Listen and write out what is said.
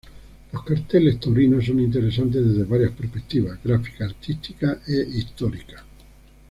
Los carteles taurinos son interesantes desde varias perspectivas: gráfica, artística e histórica.